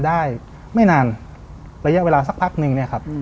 ได้ไม่นานระยะเวลาสักพักนึง